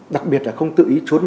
đặc biệt là không tự ý trốn